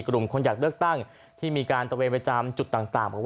กลุ่มคนอยากเลือกตั้งที่มีการตะเวง